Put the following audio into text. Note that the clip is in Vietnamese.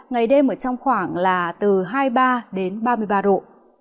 ngày đêm ở trong khoảng là từ hai mươi ba đến ba mươi ba độ